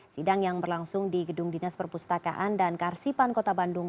sidang yang berlangsung di gedung dinas perpustakaan dan karsipan kota bandung